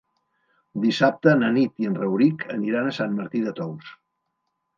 Dissabte na Nit i en Rauric aniran a Sant Martí de Tous.